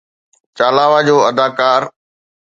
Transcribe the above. چالاوا جو اداڪار